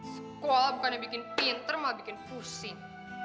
sekolah bukannya bikin pinter malah bikin pusing